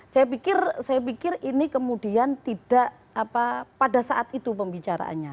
saya pikir ini kemudian tidak pada saat itu pembicaraannya